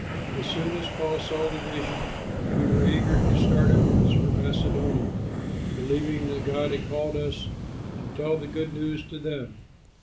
As soon as Paul saw the vision, we were eager to start at once for Macedonia, believing that God had called us to tell the good news to them.